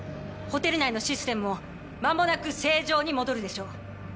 ホテル内のシステムも間もなく正常に戻るでしょう。